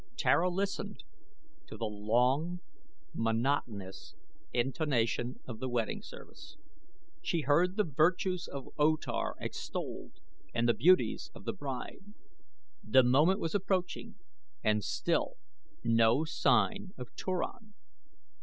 Tara listened to the long, monotonous intonation of the wedding service. She heard the virtues of O Tar extolled and the beauties of the bride. The moment was approaching and still no sign of Turan.